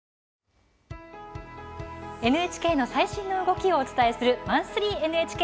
ＮＨＫの最新の動きをお伝えする「マンスリーＮＨＫ」。